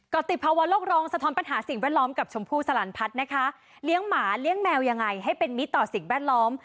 ก็ติดภาวะโลกร้องสะท้อนปัญหาสิ่งแวดล้อมกับชมพู่สลันพัฒน์นะคะเลี้ยงหมาเลี้ยงแมวยังไงให้เป็นมิตรต่อสิ่งแวดล้อม